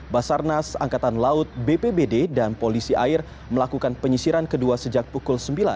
basarnas angkatan laut bpbd dan polisi air melakukan penyisiran kedua sejak pukul sembilan